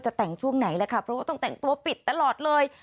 แต่งช่วงไหนแหละค่ะเพราะว่าต้องแต่งตัวปิดตลอดเลย